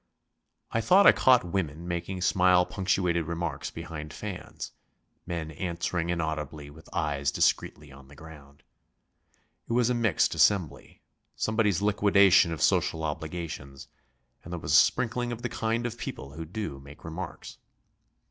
I thought I caught women making smile punctuated remarks behind fans, men answering inaudibly with eyes discreetly on the ground. It was a mixed assembly, somebody's liquidation of social obligations, and there was a sprinkling of the kind of people who do make remarks.